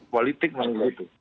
politik memang begitu